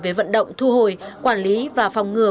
về vận động thu hồi quản lý và phòng ngừa